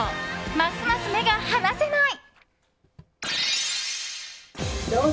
ますます目が離せない！